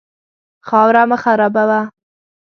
خاوره مه خرابوه.